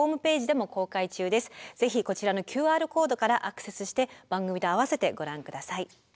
ぜひこちらのＱＲコードからアクセスして番組と併せてご覧下さい。